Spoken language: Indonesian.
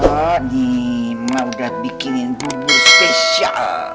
ini mah udah bikinin tubuh spesial